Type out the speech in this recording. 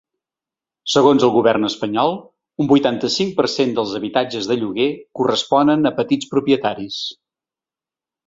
Segons el govern espanyol, un vuitanta-cinc per cent dels habitatges de lloguer corresponen a petits propietaris.